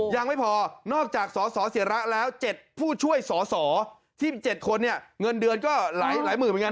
ยังไม่พอนอกจากสสเสียระแล้ว๗ผู้ช่วยสอสอที่๗คนเนี่ยเงินเดือนก็หลายหมื่นเหมือนกัน